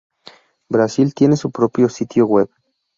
Brasil tiene su propio sitio web.